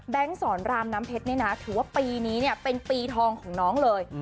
สอนรามน้ำเพชรเนี่ยนะถือว่าปีนี้เนี่ยเป็นปีทองของน้องเลย